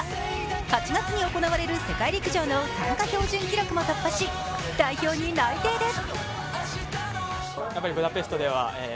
８月に行われる世界陸上の参加標準記録も突破し代表に内定です。